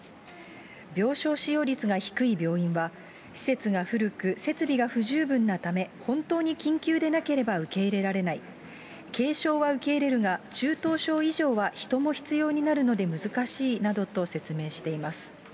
病床使用率が低い病院は、施設が古く設備が不十分なため、本当に緊急でなければ受け入れられない、軽症は受け入れるが、中等症以上は人も必要になるので難しいなどと説明しています。